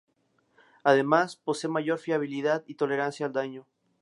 Además, posee mayor fiabilidad y tolerancia al daño.